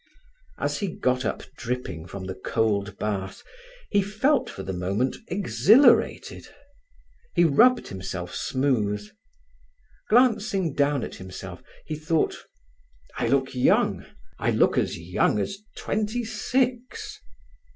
As he got up dripping from the cold bath, he felt for the moment exhilarated. He rubbed himself smooth. Glancing down at himself, he thought: "I look young. I look as young as twenty six."